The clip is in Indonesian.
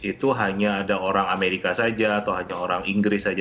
itu hanya ada orang amerika saja atau hanya orang inggris saja